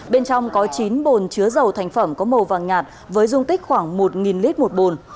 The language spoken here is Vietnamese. bên trong có chín bồn chứa dầu thành phẩm có màu vàng nhạt với dung tích khoảng một lít một bồn